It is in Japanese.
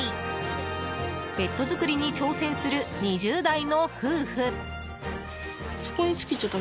ベッド作りに挑戦する２０代の夫婦。